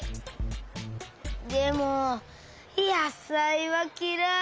でもやさいはきらい！